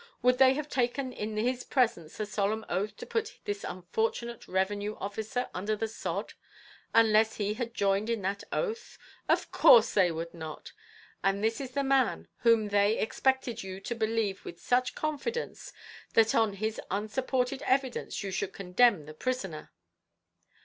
Would they have taken in his presence a solemn oath to put this unfortunate Revenue officer under the sod, unless he had joined in that oath? Of course they would not! And this is the man whom they expect you to believe with such confidence, that on his unsupported evidence you should condemn the prisoner!